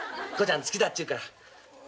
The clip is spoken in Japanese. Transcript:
父ちゃん好きだっちゅうから。